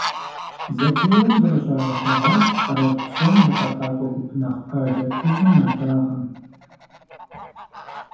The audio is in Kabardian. Зэпеуэм зыкъыщагъэлъэгъуащ къэрал псом и къэфакӀуэ гуп нэхъ пажэ тхущӀым нэблагъэм.